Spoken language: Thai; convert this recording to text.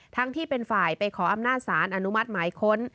ที่เป็นฝ่ายไปขออำนาจสารอนุมัติหมายค้น